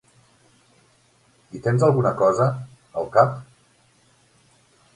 Hi tens alguna cosa, al cap?